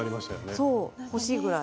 そう欲しいぐらい。